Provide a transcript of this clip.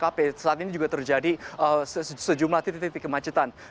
tapi saat ini juga terjadi sejumlah titik titik kemacetan